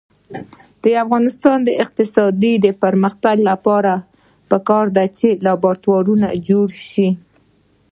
د افغانستان د اقتصادي پرمختګ لپاره پکار ده چې لابراتوارونه جوړ شي.